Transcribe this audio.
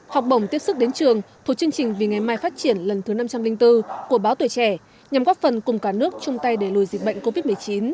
học bổng tiếp sức đến trường thuộc chương trình vì ngày mai phát triển lần thứ năm trăm linh bốn của báo tuổi trẻ nhằm góp phần cùng cả nước chung tay để lùi dịch bệnh covid một mươi chín